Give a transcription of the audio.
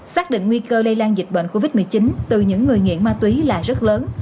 xác định nguy cơ lây lan dịch bệnh covid một mươi chín từ những người nghiện ma túy là rất lớn